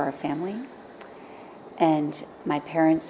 thông tin rằng một đứa đế cụ xếp adrianna